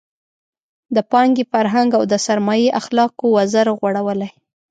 د پانګې فرهنګ او د سرمایې اخلاقو وزر غوړولی.